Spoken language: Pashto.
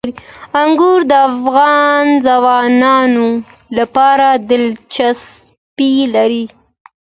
انګور د افغان ځوانانو لپاره دلچسپي لري.